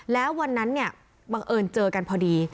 แล้ววันนั้นเนี่ยบังเอิญเจอกันพอดี